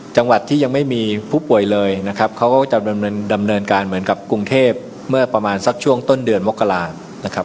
จังหวัดที่ยังไม่มีผู้ป่วยเลยนะครับเขาก็จะดำเนินการเหมือนกับกรุงเทพเมื่อประมาณสักช่วงต้นเดือนมกรานะครับ